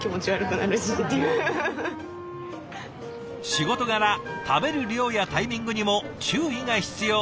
仕事柄食べる量やタイミングにも注意が必要。